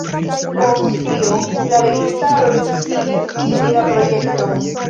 Post tio, la registaro decidis fini la projekton.